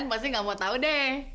kalian pasti gak mau tahu deh